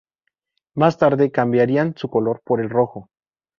Más tarde cambiarían su color por el rojo.